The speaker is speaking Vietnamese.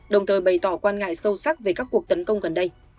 đồng thời bày tỏ quan ngại sâu sắc về các cuộc tấn công gần đây